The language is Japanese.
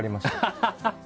ハハハハ！